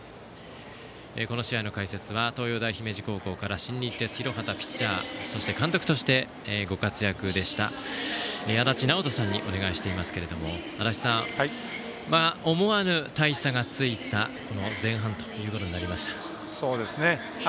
この試合の解説は東洋大姫路高校から新日鉄広畑でピッチャー、監督としてご活躍でした足達尚人さんにお願いしていますけれども足達さん、思わぬ大差がついた前半ということになりました。